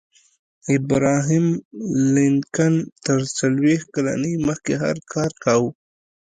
ابراهم لينکن تر څلوېښت کلنۍ مخکې هر کار کاوه.